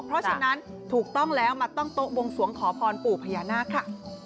เพราะฉะนั้นถูกต้องแล้วมาตั้งโต๊ะบวงสวงขอพรปู่พญานาคค่ะ